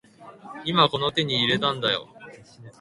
今この手に入れたんだよ